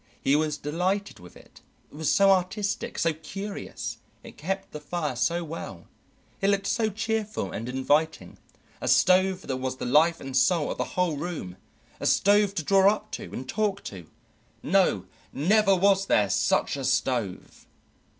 He was delighted with it; it was so artistic, so curious, it kept the fire so well, it looked so cheerful and inviting; a stove that was the life and soul of the whole room, a stove to draw up to and talk to; no, never was there such a stove!